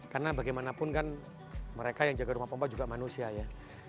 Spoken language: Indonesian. karena bagaimanapun kan mereka yang jaga rumah pompa juga manusia ya